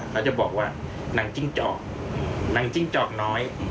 เขาจะบอกว่านางจิ้งจอกนางจิ้งจอกน้อย